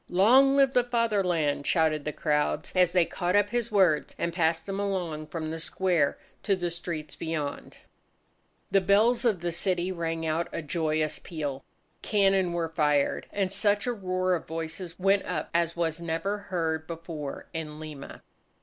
"Long live the Fatherland!" shouted the crowds, as they caught up his words and passed them along from the square to the streets beyond. The bells of the city rang out a joyous peal. Cannon were fired. And such a roar of voices went up as was never heard before in Lima.